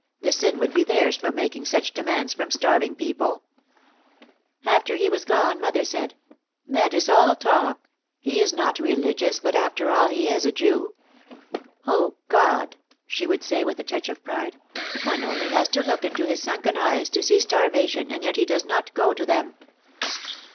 "The sin would be theirs for mak ing such demands from starving people/' After he was gone mother said, "That is all talk. He is not religious but after all he is a Jew. Oh, God," she would say, with a touch of pride, "one only has to look into his sunken eyes to see starvation and yet he does not go to them."